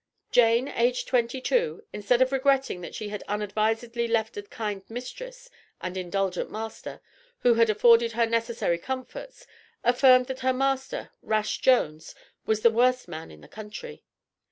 Jane, aged twenty two, instead of regretting that she had unadvisedly left a kind mistress and indulgent master, who had afforded her necessary comforts, affirmed that her master, "Rash Jones, was the worst man in the country."